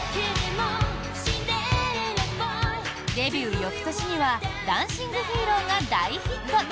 デビュー翌年には「ダンシング・ヒーロー」が大ヒット！